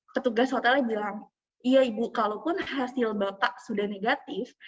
petugas hotelnya bilang iya ibu kalaupun hasil bapak sudah negatif